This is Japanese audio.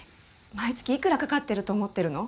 毎月幾らかかってると思ってるの？